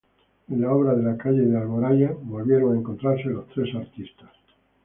En la obra de la calle de Alboraya volvieron a encontrarse los tres artistas.